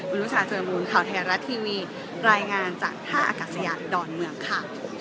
นุชาเจอมูลข่าวไทยรัฐทีวีรายงานจากท่าอากาศยานดอนเมืองค่ะ